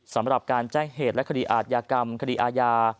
สำหรับการแจ้งเหตุและคดีอาทยากรรมคดีอาญา